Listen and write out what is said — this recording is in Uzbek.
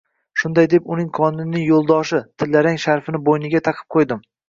Shunday deb, uning doimiy yo‘ldoshi — tillarang sharfini bo‘yniga taqib qo‘ydim